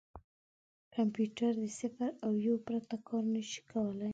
کمپیوټر د صفر او یو پرته کار نه شي کولای.